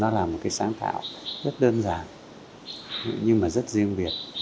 nó là một cái sáng tạo rất đơn giản nhưng mà rất riêng biệt